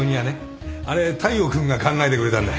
あれ大陽君が考えてくれたんだ。